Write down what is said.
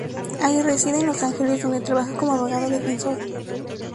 Haller reside en Los Ángeles, donde trabaja como abogado defensor.